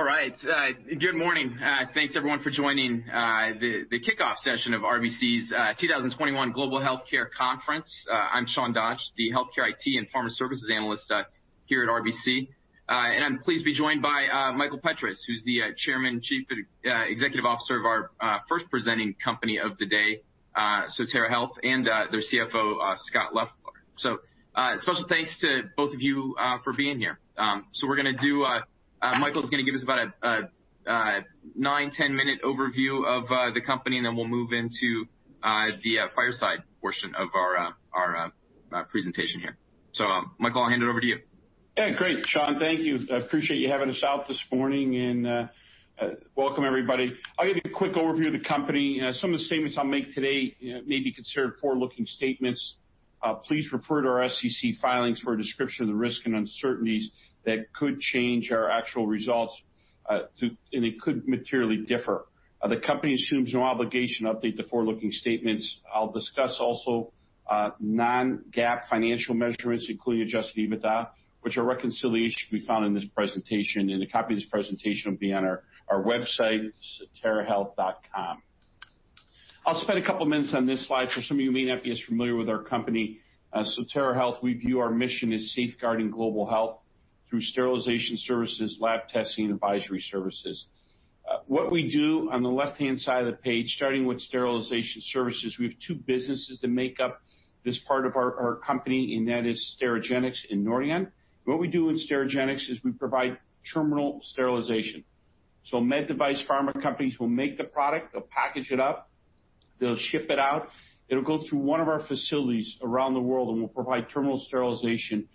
All right. Good morning. Thanks everyone for joining the kickoff session of RBC's 2021 Global Healthcare Conference. I'm Sean Dodge, the Healthcare IT and Pharma Services Analyst here at RBC. I'm pleased to be joined by Michael Petras, who's the Chairman, Chief Executive Officer of our first presenting company of the day, Sotera Health, and their CFO, Scott Leffler. Special thanks to both of you for being here. Michael's going to give us about a nine, 10-minute overview of the company, and then we'll move into the fireside portion of our presentation here. Michael, I'll hand it over to you. Yeah. Great, Sean. Thank you. I appreciate you having us out this morning. Welcome everybody. I'll give you a quick overview of the company. Some of the statements I'll make today may be considered forward-looking statements. Please refer to our SEC filings for a description of the risk and uncertainties that could change our actual results. It could materially differ. The company assumes no obligation to update the forward-looking statements. I'll discuss also non-GAAP financial measurements, including adjusted EBITDA, which a reconciliation can be found in this presentation. A copy of this presentation will be on our website, soterahealth.com. I'll spend a couple of minutes on this slide for some of you may not be as familiar with our company. Sotera Health, we view our mission as safeguarding global health through sterilization services, lab testing, and advisory services. What we do on the left-hand side of the page, starting with sterilization services, we have two businesses that make up this part of our company, and that is Sterigenics and Nordion. What we do in Sterigenics is we provide terminal sterilization. Med device pharma companies will make the product, they'll package it up, they'll ship it out, it'll go through one of our facilities around the world, and we'll provide terminal sterilization,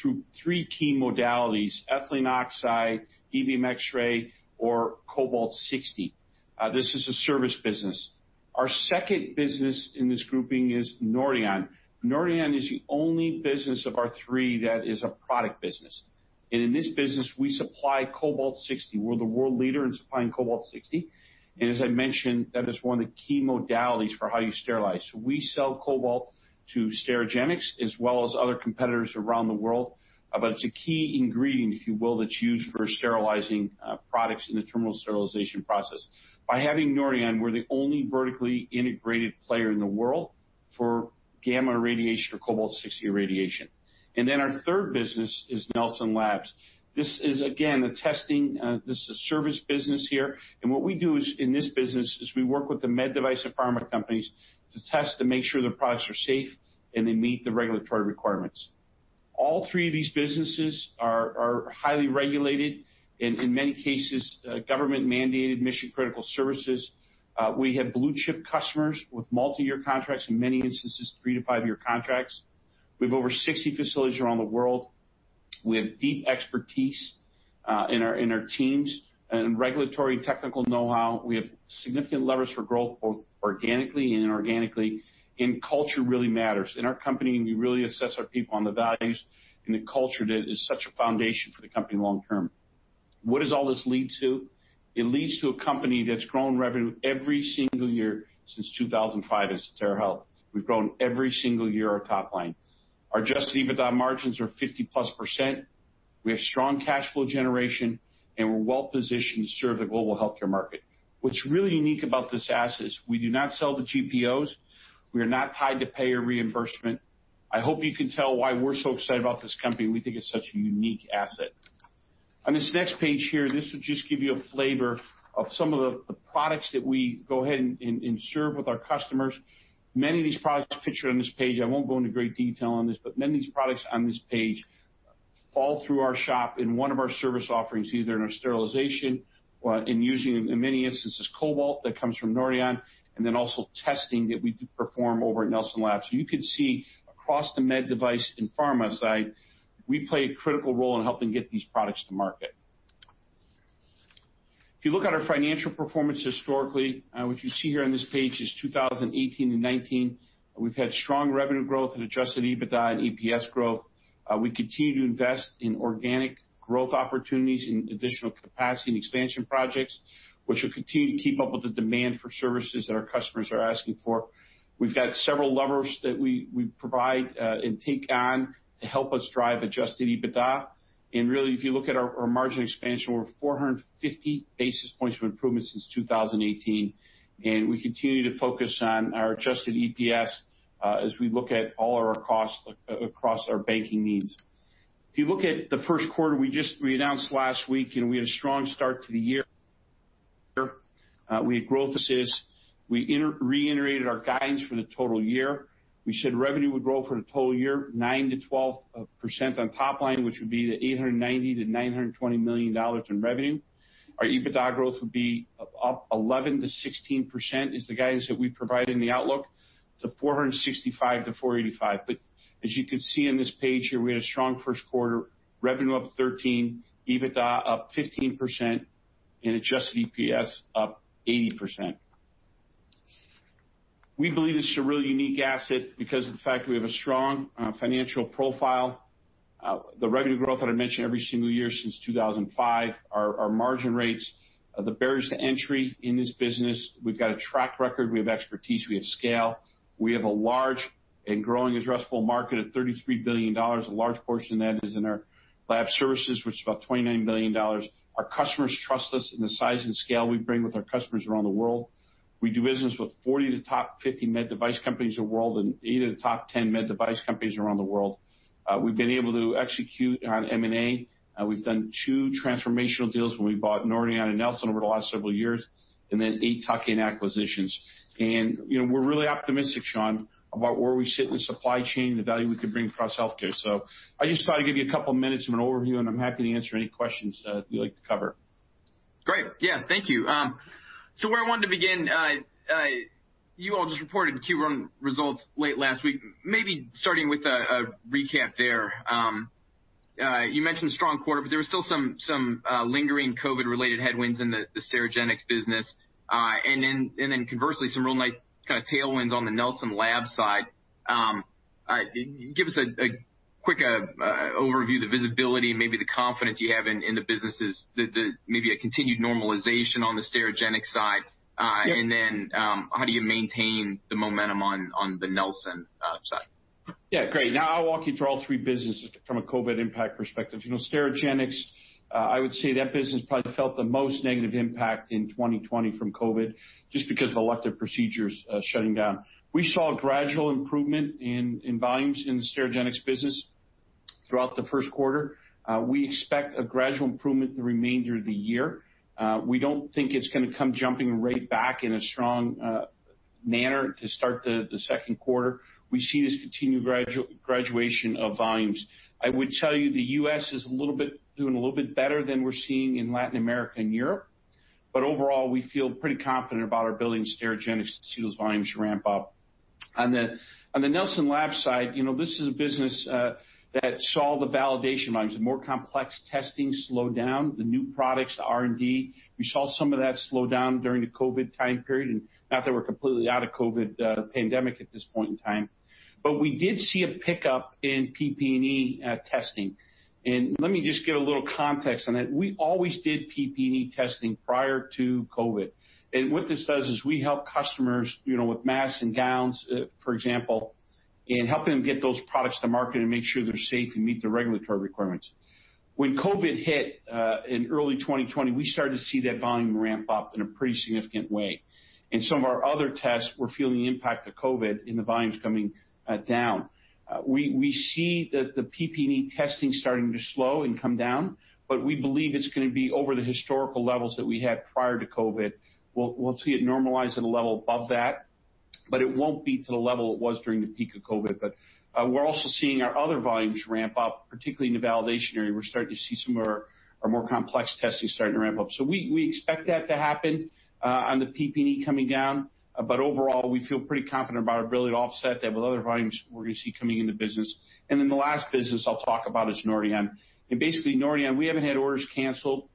through three key modalities, ethylene oxide, E-beam X-ray, or Cobalt-60. This is a service business. Our second business in this grouping is Nordion. Nordion is the only business of our three that is a product business. In this business, we supply Cobalt-60. We're the world leader in supplying Cobalt-60, and as I mentioned, that is one of the key modalities for how you sterilize. We sell Cobalt to Sterigenics as well as other competitors around the world. It's a key ingredient, if you will, that's used for sterilizing products in the terminal sterilization process. By having Nordion, we're the only vertically integrated player in the world for gamma radiation or Cobalt-60 irradiation. Our third business is Nelson Labs. This is a service business here, and what we do is, in this business, is we work with the med device and pharma companies to test to make sure their products are safe and they meet the regulatory requirements. All three of these businesses are highly regulated and in many cases, government-mandated mission-critical services. We have blue-chip customers with multi-year contracts, in many instances, three to five-year contracts. We have over 60 facilities around the world. We have deep expertise in our teams and regulatory and technical know-how. We have significant levers for growth, both organically and inorganically. Culture really matters. In our company, we really assess our people on the values, and the culture is such a foundation for the company long term. What does all this lead to? It leads to a company that's grown revenue every single year since 2005 as Sotera Health. We've grown every single year our top line. Our adjusted EBITDA margins are 50%+. We have strong cash flow generation, and we're well-positioned to serve the global healthcare market. What's really unique about this asset is we do not sell to GPOs. We are not tied to payer reimbursement. I hope you can tell why we're so excited about this company. We think it's such a unique asset. On this next page here, this will just give you a flavor of some of the products that we go ahead and serve with our customers. Many of these products pictured on this page, I won't go into great detail on this, but many of these products on this page fall through our shop in one of our service offerings, either in our sterilization or in using, in many instances, Cobalt-60 that comes from Nordion, and then also testing that we do perform over at Nelson Labs. You can see across the med device and pharma side, we play a critical role in helping get these products to market. If you look at our financial performance historically, what you see here on this page is 2018 and 2019, we've had strong revenue growth and adjusted EBITDA and EPS growth. We continue to invest in organic growth opportunities in additional capacity and expansion projects, which will continue to keep up with the demand for services that our customers are asking for. We've got several levers that we provide, and take on to help us drive adjusted EBITDA. Really, if you look at our margin expansion, we're 450 basis points of improvement since 2018, and we continue to focus on our adjusted EPS, as we look at all our costs across our banking needs. If you look at the first quarter we just announced last week, we had a strong start to the year. We had growth. We reiterated our guidance for the total year. We said revenue would grow for the total year 9%-12% on top line, which would be the $890 million-$920 million in revenue. Our EBITDA growth would be up 11%-16%, is the guidance that we provide in the outlook, to $465-$485. As you can see on this page here, we had a strong first quarter, revenue up 13%, EBITDA up 15%, and adjusted EPS up 80%. We believe it's a really unique asset because of the fact that we have a strong financial profile, the revenue growth that I mentioned every single year since 2005, our margin rates, the barriers to entry in this business. We've got a track record. We have expertise. We have scale. We have a large and growing addressable market of $33 billion. A large portion of that is in our lab services, which is about $29 billion. Our customers trust us in the size and scale we bring with our customers around the world. We do business with 40 of the top 50 med device companies in the world and eight of the top 10 med device companies around the world. We've been able to execute on M&A. We've done two transformational deals where we bought Nordion and Nelson over the last several years, and then eight tuck-in acquisitions. We're really optimistic, Sean, about where we sit with supply chain, the value we can bring across healthcare. I just thought I'd give you a couple of minutes of an overview, and I'm happy to answer any questions that you'd like to cover. Great. Yeah, thank you. Where I wanted to begin, you all just reported Q1 results late last week, maybe starting with a recap there. You mentioned a strong quarter, but there were still some lingering COVID-related headwinds in the Sterigenics business. Conversely, some real nice tailwinds on the Nelson Labs side. Give us a quick overview of the visibility and maybe the confidence you have in the businesses, maybe a continued normalization on the Sterigenics side. Yeah. How do you maintain the momentum on the Nelson side? Yeah, great. I'll walk you through all three businesses from a COVID impact perspective. Sterigenics, I would say that business probably felt the most negative impact in 2020 from COVID, just because of elective procedures shutting down. We saw a gradual improvement in volumes in the Sterigenics business throughout the first quarter. We expect a gradual improvement in the remainder of the year. We don't think it's going to come jumping right back in a strong manner to start the second quarter. We see this continued graduation of volumes. I would tell you the U.S. is doing a little bit better than we're seeing in Latin America and Europe. Overall, we feel pretty confident about our ability in Sterigenics to see those volumes ramp up. On the Nelson Labs side, this is a business that saw the validation lines, more complex testing slow down, the new products, the R&D. We saw some of that slow down during the COVID time period, and not that we're completely out of COVID pandemic at this point in time. We did see a pickup in PPE testing. Let me just give a little context on that. We always did PPE testing prior to COVID. What this does is we help customers with masks and gowns, for example, in helping them get those products to market and make sure they're safe and meet the regulatory requirements. When COVID hit in early 2020, we started to see that volume ramp up in a pretty significant way. In some of our other tests, we're feeling the impact of COVID and the volumes coming down. We see that the PPE testing is starting to slow and come down, but we believe it's going to be over the historical levels that we had prior to COVID. We'll see it normalize at a level above that, but it won't be to the level it was during the peak of COVID. We're also seeing our other volumes ramp up, particularly in the validation area. We're starting to see some of our more complex testing starting to ramp up. We expect that to happen on the PPE coming down. Overall, we feel pretty confident about our ability to offset that with other volumes we're going to see coming in the business. The last business I'll talk about is Nordion. Basically, Nordion, we haven't had orders canceled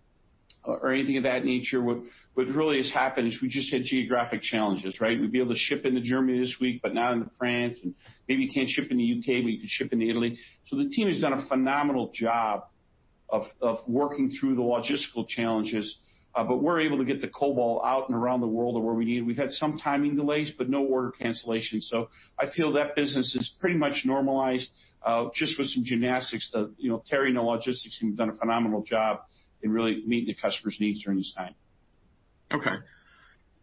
or anything of that nature. What really has happened is we just had geographic challenges, right? We'd be able to ship into Germany this week, but not into France, and maybe you can't ship in the U.K., but you can ship into Italy. The team has done a phenomenal job of working through the logistical challenges, but we're able to get the cobalt out and around the world where we need. We've had some timing delays, but no order cancellations. I feel that business is pretty much normalized, just with some gymnastics that Terry and the logistics team have done a phenomenal job in really meeting the customers' needs during this time.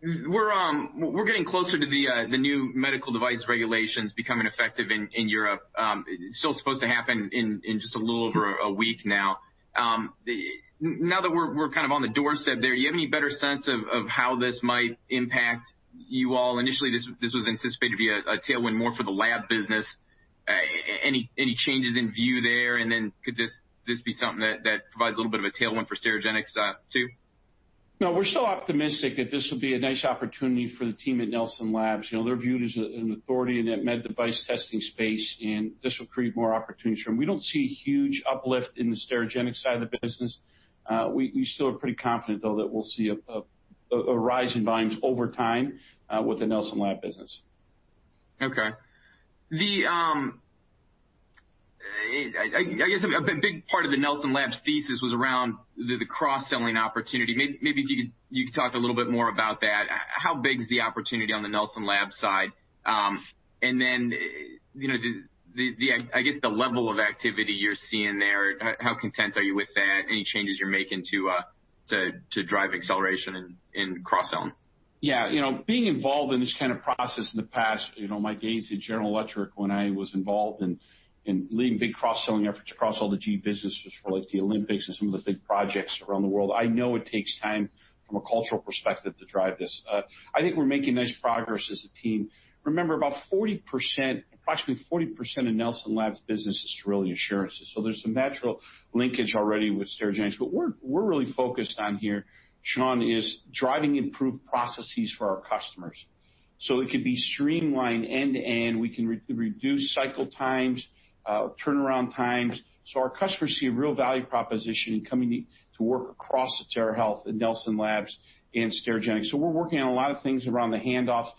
We're getting closer to the new Medical Device Regulation becoming effective in Europe. It's still supposed to happen in just a little over a week now. We're kind of on the doorstep there, do you have any better sense of how this might impact you all? Initially, this was anticipated to be a tailwind more for the lab business. Could this be something that provides a little bit of a tailwind for Sterigenics too? No, we're still optimistic that this will be a nice opportunity for the team at Nelson Labs. They're viewed as an authority in that med device testing space, and this will create more opportunity. We don't see a huge uplift in the Sterigenics side of the business. We still are pretty confident, though, that we'll see a rise in volumes over time with the Nelson Labs business. I guess a big part of the Nelson Labs thesis was around the cross-selling opportunity. Maybe you could talk a little bit more about that. How big is the opportunity on the Nelson Labs side? I guess the level of activity you're seeing there, how content are you with that? Any changes you're making to drive acceleration in cross-selling? Yeah. Being involved in this kind of process in the past, my days at General Electric when I was involved in leading big cross-selling efforts across all the GE businesses for the Olympics and some of the big projects around the world, I know it takes time from a cultural perspective to drive this. I think we're making nice progress as a team. Remember, about 40%, actually 40% of Nelson Labs business is really assurances. There's some natural linkage already with Sterigenics. What we're really focused on here, Sean, is driving improved processes for our customers. It could be streamlined end-to-end. We can reduce cycle times, turnaround times. Our customers see a real value proposition coming to work across Sotera Health and Nelson Labs and Sterigenics. We're working on a lot of things around the handoff.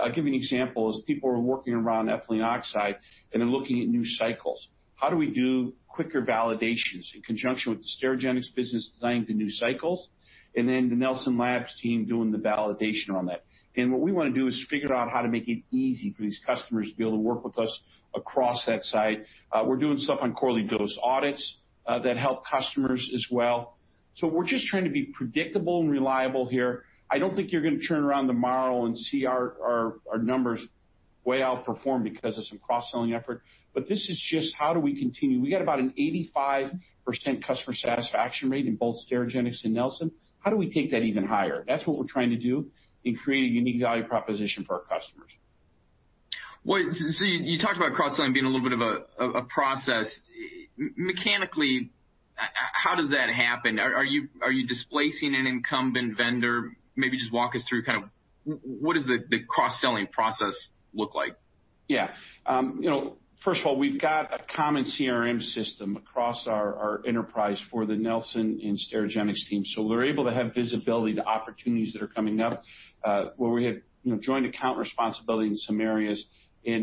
I'll give you an example, as people are working around ethylene oxide and are looking at new cycles. How do we do quicker validations in conjunction with the Sterigenics business designing the new cycles, and then the Nelson Labs team doing the validation on that? What we want to do is figure out how to make it easy for these customers to be able to work with us across that site. We're doing stuff on quarterly dose audits that help customers as well. We're just trying to be predictable and reliable here. I don't think you're going to turn around tomorrow and see our numbers way outperformed because of some cross-selling effort. This is just how do we continue? We got about an 85% customer satisfaction rate in both Sterigenics and Nelson. How do we take that even higher? That's what we're trying to do and create a unique value proposition for our customers. You talked about cross-selling being a little bit of a process. Mechanically, how does that happen? Are you displacing an incumbent vendor? Maybe just walk us through, what does the cross-selling process look like? Yeah. First of all, we've got a common CRM system across our enterprise for the Nelson and Sterigenics team. They're able to have visibility to opportunities that are coming up, where we have joint account responsibility in some areas.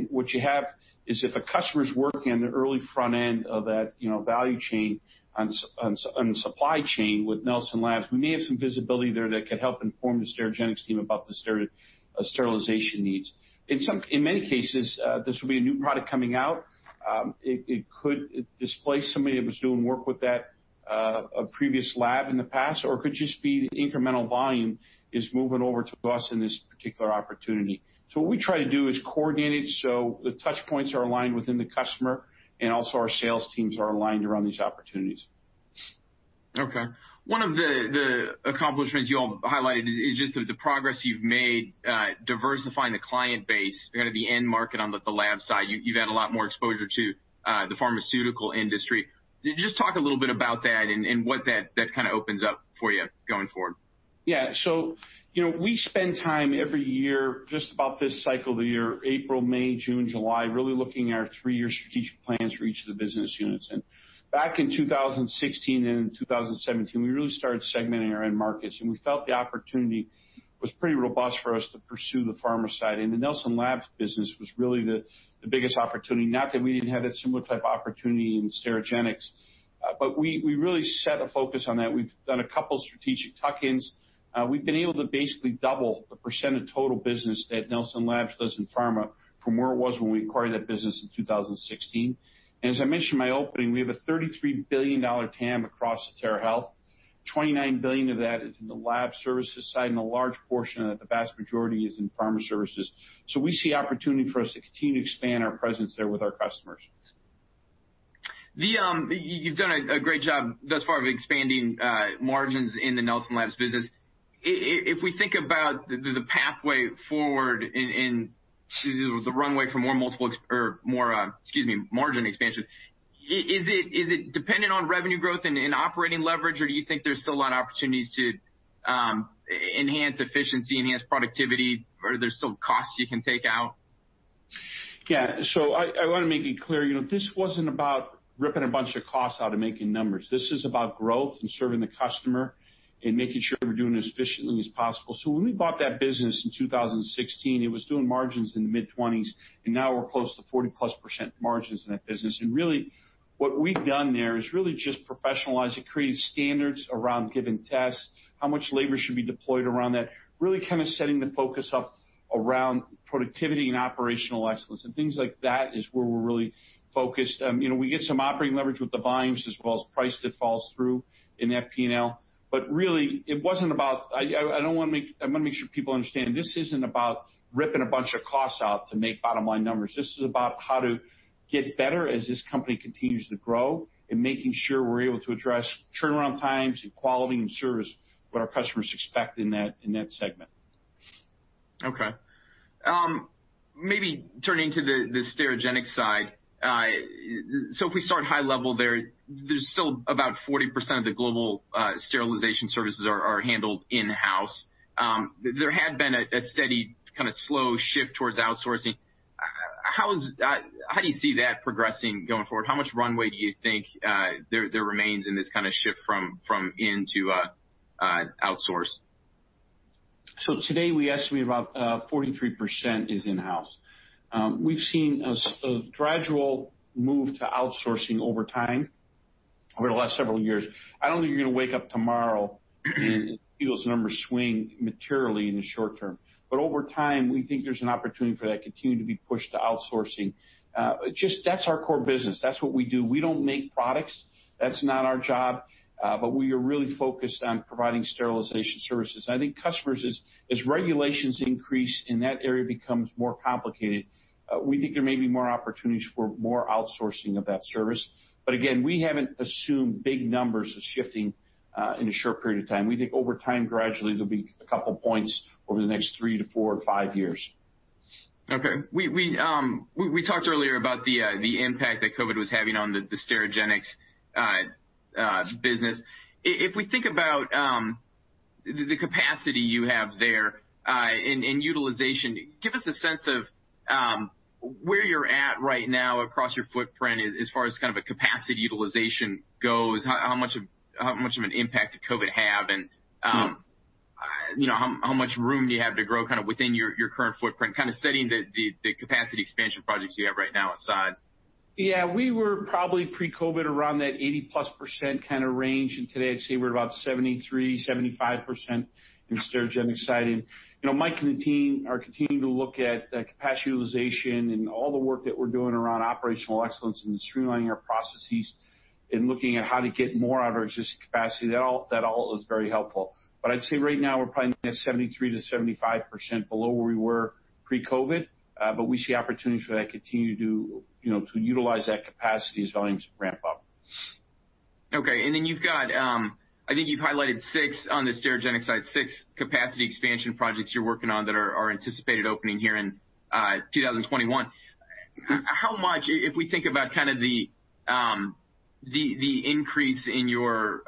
What you have is if a customer's working on the early front end of that value chain and supply chain with Nelson Labs, we may have some visibility there that could help inform the Sterigenics team about the sterilization needs. In many cases, this will be a new product coming out. It could displace somebody that was doing work with that, a previous lab in the past, or it could just be the incremental volume is moving over to us in this particular opportunity. What we try to do is coordinate it so the touch points are aligned within the customer, and also our sales teams are aligned around these opportunities. Okay. One of the accomplishments you all highlighted is just the progress you've made diversifying the client base, kind of the end market on the lab side. You've had a lot more exposure to the pharmaceutical industry. Just talk a little bit about that and what that kind of opens up for you going forward. Yeah. We spend time every year, just about this cycle of the year, April, May, June, July, really looking at our three-year strategic plans for each of the business units. Back in 2016 and in 2017, we really started segmenting our end markets, and we felt the opportunity was pretty robust for us to pursue the pharma side. The Nelson Labs business was really the biggest opportunity. Not that we didn't have that similar type opportunity in Sterigenics, we really set a focus on that. We've done a couple strategic tuck-ins. We've been able to basically double the percent of total business that Nelson Labs does in pharma from where it was when we acquired that business in 2016. As I mentioned in my opening, we have a $33 billion TAM across Sotera Health, $29 billion of that is in the lab services side, and a large portion of the vast majority is in pharma services. We see opportunity for us to continue to expand our presence there with our customers. You've done a great job thus far of expanding margins in the Nelson Labs business. If we think about the pathway forward and the runway for more, excuse me, margin expansion, is it dependent on revenue growth and operating leverage, or do you think there's still a lot of opportunities to enhance efficiency, enhance productivity, are there still costs you can take out? I want to make it clear, this wasn't about ripping a bunch of costs out and making numbers. This is about growth and serving the customer and making sure we're doing it as efficiently as possible. When we bought that business in 2016, it was doing margins in the mid-20s, and now we're close to 40%+ margins in that business. Really, what we've done there is really just professionalize it, create standards around giving tests, how much labor should be deployed around that, really kind of setting the focus up around productivity and operational excellence and things like that is where we're really focused. We get some operating leverage with the volumes as well as price that falls through in that P&L. Really, I want to make sure people understand, this isn't about ripping a bunch of costs out to make bottom-line numbers. This is about how to get better as this company continues to grow and making sure we're able to address turnaround times and quality and service that our customers expect in that segment. Okay. Maybe turning to the Sterigenics side. If we start high level there's still about 40% of the global sterilization services are handled in-house. There had been a steady, kind of slow shift towards outsourcing. How do you see that progressing going forward? How much runway do you think there remains in this kind of shift from in to outsource? Today, we estimate about 43% is in-house. We've seen a gradual move to outsourcing over time, over the last several years. I don't think you're going to wake up tomorrow and see those numbers swing materially in the short term. Over time, we think there's an opportunity for that to continue to be pushed to outsourcing. Just that's our core business. That's what we do. We don't make products. That's not our job. We are really focused on providing sterilization services. I think customers, as regulations increase and that area becomes more complicated, we think there may be more opportunities for more outsourcing of that service. Again, we haven't assumed big numbers shifting in a short period of time. We think over time, gradually, there'll be a couple points over the next three to four or five years. Okay. We talked earlier about the impact that COVID was having on the Sterigenics business. If we think about the capacity you have there, and utilization, give us a sense of where you're at right now across your footprint as far as kind of a capacity utilization goes, how much of an impact did COVID have? How much room do you have to grow kind of within your current footprint, kind of setting the capacity expansion projects you have right now aside? Yeah. We were probably pre-COVID around that 80+% kind of range. Today I'd say we're about 73%, 75% in the Sterigenics side. Mike and the team are continuing to look at capacity utilization and all the work that we're doing around operational excellence and streamlining our processes and looking at how to get more out of our existing capacity. That all is very helpful. I'd say right now, we're probably looking at 73%-75%, below where we were pre-COVID. We see opportunities for that continue to utilize that capacity as volumes ramp up. Okay. You've got, I think you've highlighted six on the Sterigenics side, six capacity expansion projects you're working on that are anticipated opening here in 2021. How much, if we think about the increase in your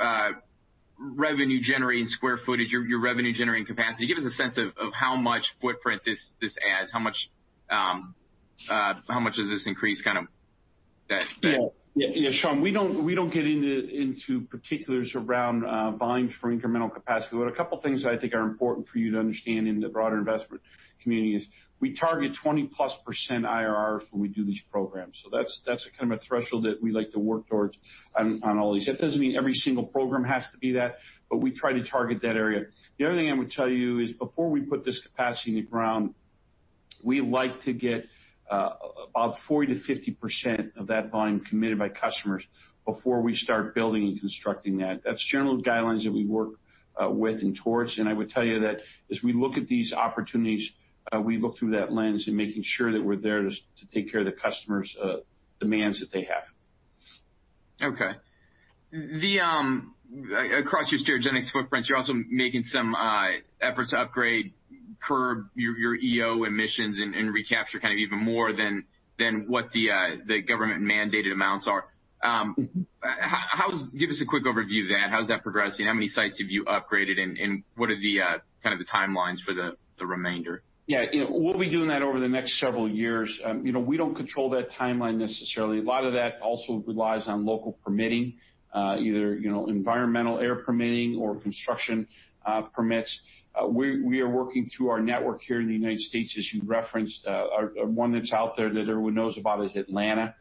revenue generating square footage, your revenue generating capacity, give us a sense of how much footprint this adds. How much does this increase that spend? Yeah. Sean, we don't get into particulars around volumes for incremental capacity. A couple things I think are important for you to understand in the broader investment community is we target 20%+ IRRs when we do these programs. That's a kind of threshold that we like to work towards on all these. That doesn't mean every single program has to be that, we try to target that area. The other thing I would tell you is before we put this capacity in the ground, we like to get 40%-50% of that volume committed by customers before we start building and constructing that. That's general guidelines that we work with and towards. I would tell you that as we look at these opportunities, we look through that lens and making sure that we're there to take care of the customers' demands that they have. Okay. Across your Sterigenics footprint, you're also making some efforts to upgrade for your EO emissions and recapture even more than what the government mandated amounts are. Give us a quick overview of that. How's that progressing? How many sites have you upgraded and what are the timelines for the remainder? Yeah. We'll be doing that over the next several years. We don't control that timeline necessarily. A lot of that also relies on local permitting, either environmental air permitting or construction permits. We are working through our network here in the U.S., as you referenced. One that's out there that everyone knows about is Atlanta.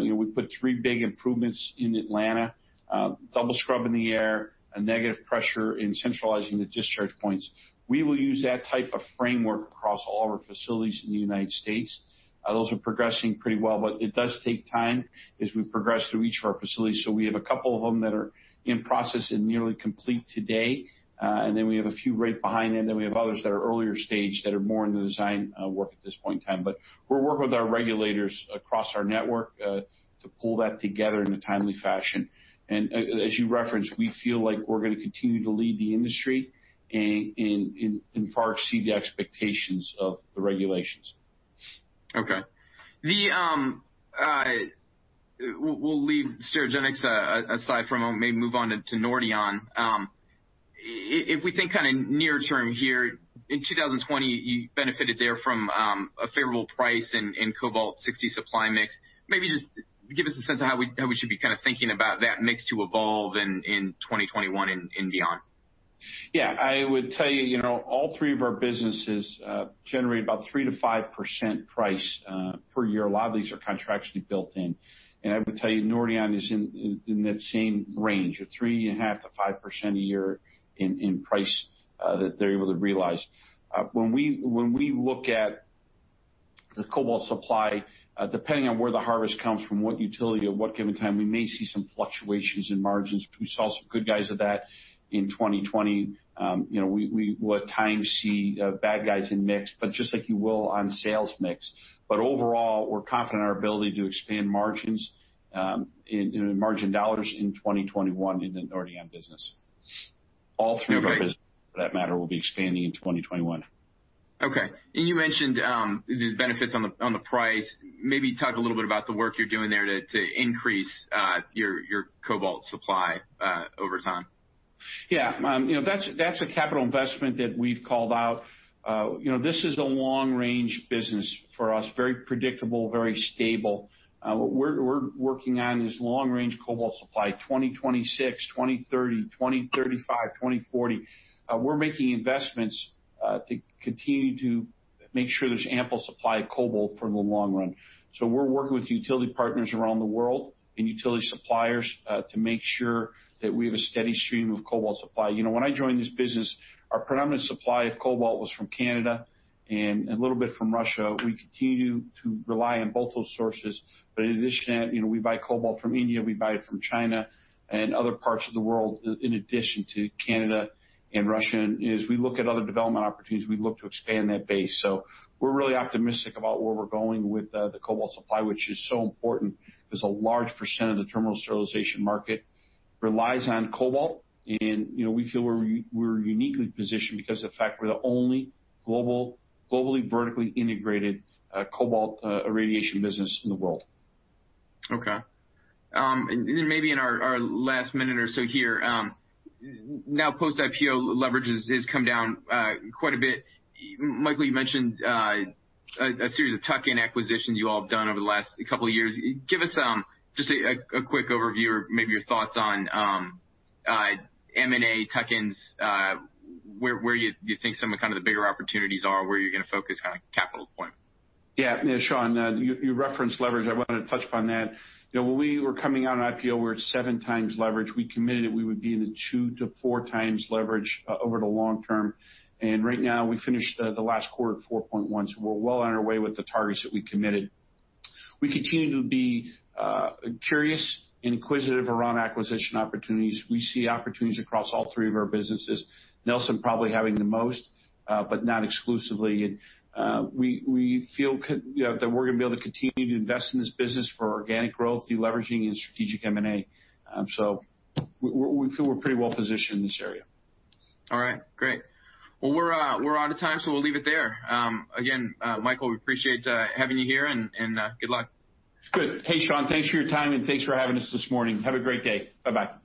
We put three big improvements in Atlanta. Double scrubbing the air, a negative pressure in centralizing the discharge points. We will use that type of framework across all our facilities in the U.S. Those are progressing pretty well, but it does take time as we progress through each of our facilities. We have a couple of them that are in process and nearly complete today. We have a few right behind it, then we have others that are earlier stage that are more in the design work at this point in time. We're working with our regulators across our network to pull that together in a timely fashion. As you referenced, we feel like we're going to continue to lead the industry and far exceed the expectations of the regulations. Okay. We'll leave Sterigenics aside for a moment and move on to Nordion. If we think near term here, in 2020, you benefited there from a favorable price in Cobalt-60 supply mix. Maybe just give us a sense how we should be thinking about that mix to evolve in 2021 and beyond. Yeah. I would tell you, all three of our businesses generate about 3%-5% price per year. A lot of these are contractually built in. I would tell you, Nordion is in that same range of 3.5%-5% a year in price that they're able to realize. When we look at the cobalt supply, depending on where the harvest comes from, what utility, at what given time, we may see some fluctuations in margins. We saw some good guys at that in 2020. We will, at times, see bad guys in mix, just like you will on sales mix. Overall, we're confident in our ability to expand margins in margin dollars in 2021 in the Nordion business. All three of our businesses, for that matter, will be expanding in 2021. Okay. You mentioned the benefits on the price. Maybe talk a little bit about the work you're doing there to increase your cobalt supply over time. Yeah. That's a capital investment that we've called out. This is a long-range business for us, very predictable, very stable. What we're working on is long range cobalt supply, 2026, 2030, 2035, 2040. We're making investments to continue to make sure there's ample supply of cobalt for the long run. We're working with utility partners around the world and utility suppliers to make sure that we have a steady stream of cobalt supply. When I joined this business, our predominant supply of cobalt was from Canada and a little bit from Russia. We continue to rely on both those sources. In addition to that, we buy cobalt from India, we buy it from China and other parts of the world in addition to Canada and Russia. As we look at other development opportunities, we look to expand that base. We're really optimistic about where we're going with the cobalt supply, which is so important because a large percent of the terminal sterilization market relies on cobalt. We feel we're uniquely positioned because of the fact we're the only globally vertically integrated cobalt irradiation business in the world. Okay. Maybe in our last minute or so here. Post-IPO, leverage has come down quite a bit. Michael, you mentioned a series of tuck-in acquisitions you all have done over the last couple of years. Give us just a quick overview or maybe your thoughts on M&A tuck-ins, where you think some of the bigger opportunities are, where you're going to focus capital deployment. Yeah. Sean, you referenced leverage. I wanted to touch upon that. When we were coming on IPO, we were at seven times leverage. We committed we would be in a two to four times leverage over the long term. Right now, we finished the last quarter at 4.1, we're well on our way with the targets that we committed. We continue to be curious, inquisitive around acquisition opportunities. We see opportunities across all three of our businesses. Nelson probably having the most, not exclusively. We feel that we're going to be able to continue to invest in this business for organic growth through leveraging and strategic M&A. We feel we're pretty well positioned in this area. All right. Great. Well, we're out of time, so we'll leave it there. Again, Michael, we appreciate having you here, and good luck. Good. Hey, Sean, thanks for your time and thanks for having us this morning. Have a great day. Bye-bye